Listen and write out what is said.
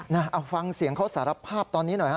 น่าเอาฟังเสียงเขาศาลภาพตอนนี้หน่อย